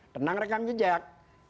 tenang rekam jejak